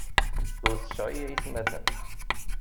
Ur tesɛi aytmaten.